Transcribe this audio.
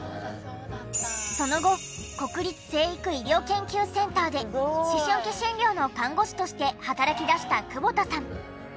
その後国立成育医療研究センターで思春期診療の看護師として働き出した久保田さん。